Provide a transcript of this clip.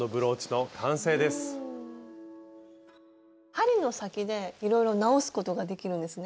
針の先でいろいろ直すことができるんですね？